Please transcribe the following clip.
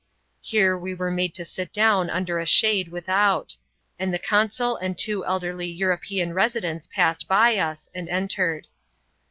Here we were made to sit down under a shade without; and the consul and two elderly European residents passed by us, and entered.